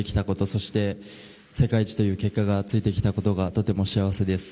そして、世界一という結果がついてきたことがとても幸せです。